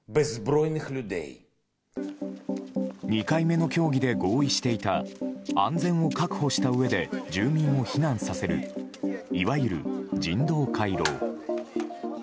２回目の協議で合意していた安全を確保したうえで住民を避難させるいわゆる人道回廊。